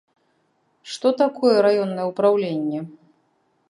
Што такое раённае ўпраўленне?